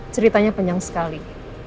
ceritanya penyang sekali